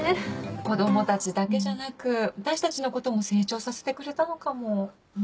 子供たちだけじゃなく私たちのことも成長させてくれたのかも。